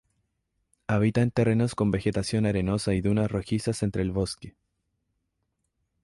Habita en terrenos con vegetación arenosa y dunas rojizas entre el bosque.